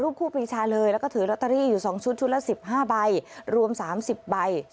ครูปรีชาเลยแล้วก็ถือลอตเตอรี่อยู่๒ชุดชุดละ๑๕ใบรวม๓๐ใบ